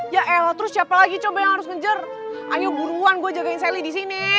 ya el terus siapa lagi coba yang harus ngejar hanya guruan gue jagain sally di sini